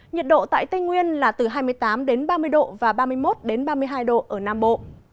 nhiệt độ tại tây nguyên là từ hai mươi tám ba mươi độ và ba mươi một ba mươi hai độ ở nam bộ